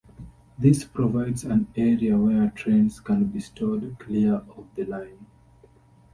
This provides an area where trains can be stored clear of the line.